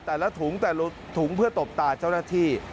แต่ละถุงแต่ละถุงเพื่อตบตาเจ้าหน้าที่